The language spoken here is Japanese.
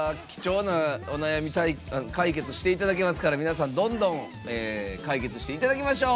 お悩み解決していただけますからどんどん解決していきましょう。